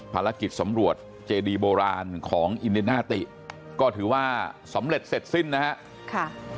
ภารกิจสำรวจเจดีโบราณของอินดินาติก็ถือว่าสำเร็จเสร็จสิ้นนะครับ